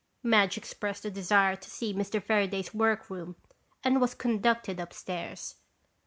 Madge expressed a desire to see Mr. Fairaday's workroom and was conducted upstairs.